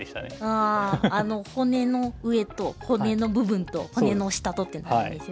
あああの骨の上と骨の部分と骨の下とってなるんですよね。